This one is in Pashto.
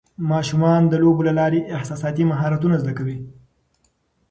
ماشومان د لوبو له لارې احساساتي مهارتونه زده کوي.